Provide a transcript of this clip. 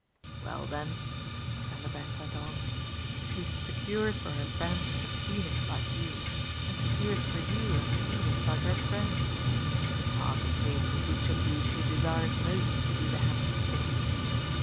"Well then," Vanderbank went on, "she secures for her friend a phoenix like you, and secures for you a phoenix like her friend. It's hard to say for which of you she desires most to do the handsome thing.